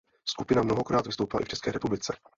Skupina mnohokrát vystoupila i v České republice.